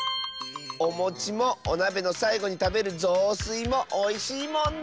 おもちもおなべのさいごにたべるぞうすいもおいしいもんね！